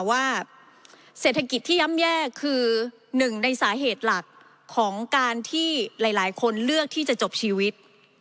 ว่าเศรษฐกิจที่ย่ำแย่คือหนึ่งในสาเหตุหลักของการที่หลายคนเลือกที่จะจบชีวิต